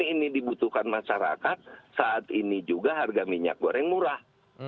ini dibutuhkan masyarakat saat ini juga harga minyak goreng murah